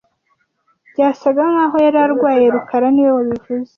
Byasaga nkaho yari arwaye rukara niwe wabivuze